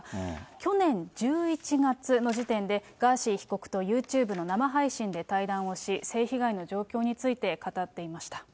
去年１１月の時点で、ガーシー被告とＹｏｕＴｕｂｅの生配信で対談をし、性被害の状況について語っていました。